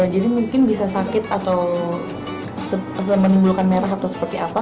jadi mungkin bisa sakit atau menimbulkan merah atau seperti apa